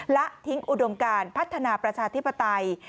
และทิ้งอุดมการพัฒนาประชาธิปไตย